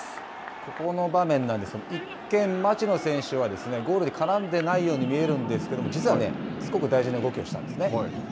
ここの場面なんですが、一見、町野選手は、ゴールに絡んでないように見えるんですけども、実はすごく大事な動きをしたんですね。